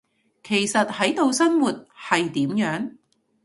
其實喺度生活，係點樣？